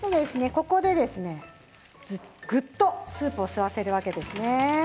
ここで、ぐっとスープを吸わせるわけですね。